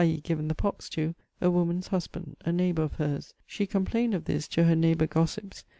e. given the pox to) a woman's husband, a neighbor of hers. She complained of this to her neighbour gossips.